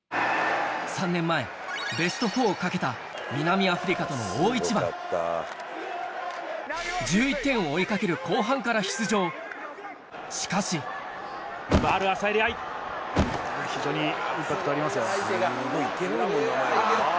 ３年前ベスト４を懸けた南アフリカとの大一番１１点を追い掛けるしかし非常にインパクトありますよ。